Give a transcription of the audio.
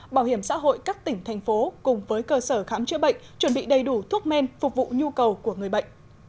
bảo hiểm xã hội các tỉnh thành phố cùng với cơ sở khám chữa bệnh chuẩn bị đầy đủ thuốc men phục vụ nhu cầu của người bệnh